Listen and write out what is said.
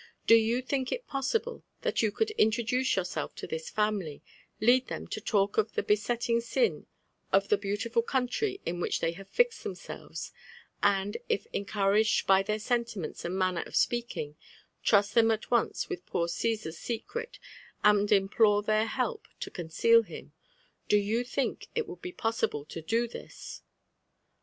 Do yoo think it possible that you could introduce yourself to this family, lead thent to talk ol the besetting sin of the beautiful country in which they have fixed them selves, and, if encouraged by their sentimenlaand manner of speaking, trust them at once with poor G»sar's secret^ and imfrfore their help to aonceal him? So you think it would be possible to do this